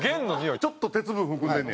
はいちょっと鉄分。